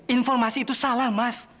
informasi itu salah mas